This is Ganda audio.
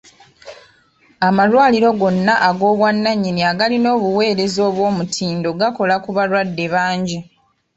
Amalwaliro gonna ag'obwannanyini agalina obuweereza obw'omutindo gakola ku balwadde bangi.